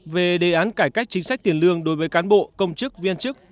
về đề án cải cách chính sách tiền lương đối với cán bộ công chức viên chức